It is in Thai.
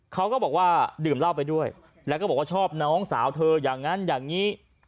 เขาก็บอกว่าดื่มเหล้าไปด้วยแล้วก็บอกว่าชอบน้องสาวเธออย่างนั้นอย่างนี้